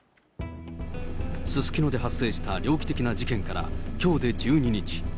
すすきので発生した猟奇的な事件からきょうで１２日。